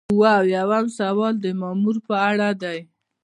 اووه اویایم سوال د مامور په اړه دی.